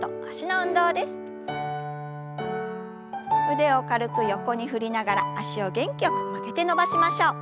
腕を軽く横に振りながら脚を元気よく曲げて伸ばしましょう。